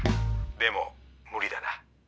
でも無理だな。